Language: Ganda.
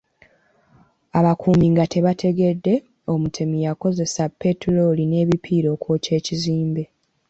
Abakuumi nga tebategedde, omutemu yakozesa petulooli n'ebipiira okwokya ekizimbe.